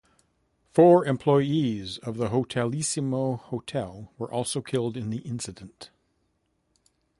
Four employees of the Hotelissimo hotel were also killed in the incident.